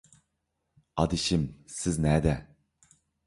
ئادىشىم، سىز نەدە؟